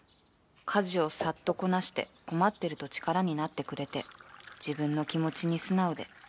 家事をサッとこなして困ってると力になってくれて自分の気持ちに素直で